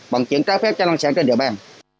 bằng chuyển trái phép cho năng sản trên địa bàn